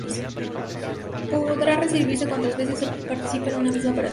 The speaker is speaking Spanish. Podrá recibirse cuantas veces se participe en una misma operación.